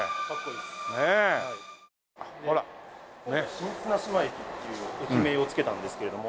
新綱島駅っていう駅名を付けたんですけれども。